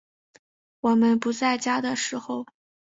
我们不在家的时候